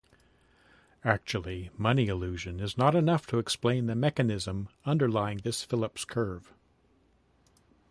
Actually, money illusion is not enough to explain the mechanism underlying this Phillips curve.